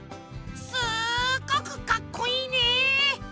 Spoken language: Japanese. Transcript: すっごくかっこいいね！